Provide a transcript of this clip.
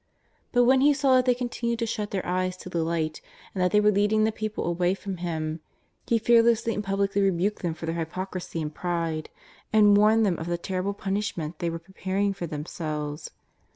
But when He saw that they continued to shut their eyes to the light, and that they were leading the people away from Him, He fearlessly and publicly rebuked them for their hypocrisy and pride, and warned them of the terrible punishment they were preparing for them selves.